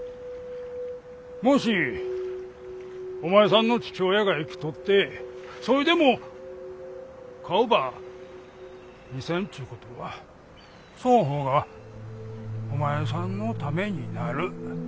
もしお前さんの父親が生きとってそいでも顔ば見せんちゅうことはそん方がお前さんのためになる。